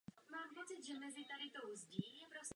Její matka přežila koncentrační tábor Auschwitz.